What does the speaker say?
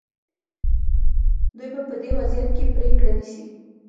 دوی به په دې وضعیت کې پرېکړه نیسي.